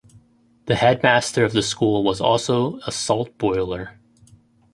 The headmaster of the school was also a "salt boiler".